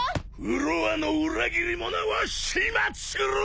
フロアの裏切り者を始末しろ！